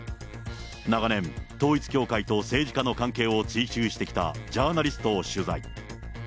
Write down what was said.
長年、統一教会と政治家の関係を追及してきたジャーナリストを取材。